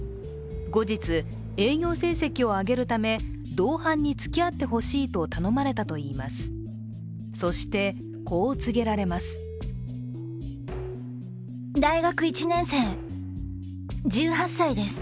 後日、営業成績を上げるため、同伴につきあってほしいと頼まれたといいます。